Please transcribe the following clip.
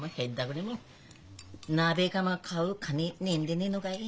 ぐれも鍋釜買う金ねえんでねえのかい？